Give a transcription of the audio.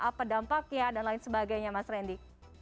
apa dampaknya dan lain sebagainya mas randy